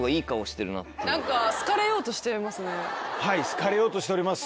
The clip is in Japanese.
はい好かれようとしております。